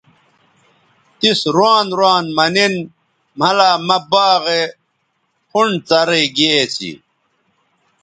تس روان روان مہ نِن مھلا مہ باغے پھنڈ څرئ گے اسی